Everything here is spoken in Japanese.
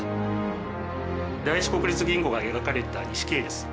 第一国立銀行が描かれた錦絵です。